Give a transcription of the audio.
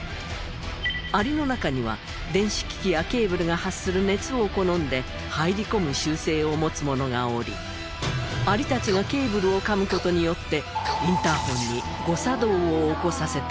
アリの中には電子機器やケーブルが発する熱を好んで入り込む習性を持つものがおりアリたちがケーブルを噛む事によってインターホンに誤作動を起こさせていたのだ。